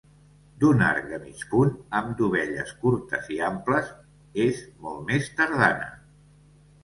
D'un arc de mig punt, amb dovelles curtes i amples, és molt més tardana.